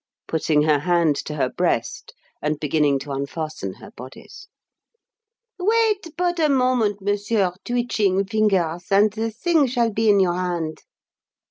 putting her hand to her breast and beginning to unfasten her bodice "wait but a moment, Monsieur Twitching Fingers, and the thing shall be in your hand."